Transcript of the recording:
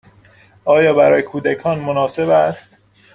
آیا برای کودکان مناسب است؟